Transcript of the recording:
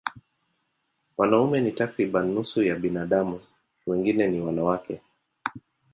Wanaume ni takriban nusu ya binadamu, wengine huwa wanawake.